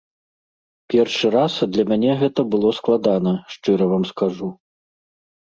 Першы раз для мяне гэта было складана, шчыра вам скажу.